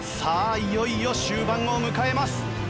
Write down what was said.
いよいよ終盤を迎えます。